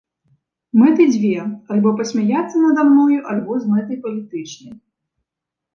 Мэты дзве, альбо пасмяяцца нада мною, альбо з мэтай палітычнай.